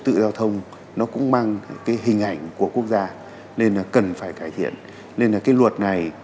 tự giao thông nó cũng mang cái hình ảnh của quốc gia nên là cần phải cải thiện nên là cái luật này